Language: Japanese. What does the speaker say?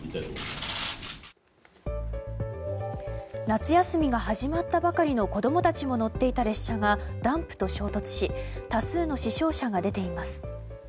夏休みが始まったばかりの子供たちも乗っていた列車がダンプと衝突し多数の死傷者が出ています。